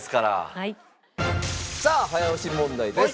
さあ早押し問題です。